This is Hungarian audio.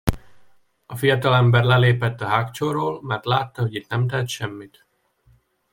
A fiatalember lelépett a hágcsóról, mert látta, hogy itt nem tehet semmit.